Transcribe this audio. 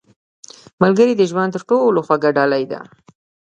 • ملګری د ژوند تر ټولو خوږه ډالۍ ده.